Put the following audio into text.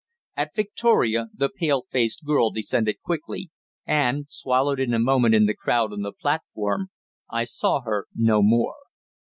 At Victoria the pale faced girl descended quickly, and, swallowed in a moment in the crowd on the platform, I saw her no more.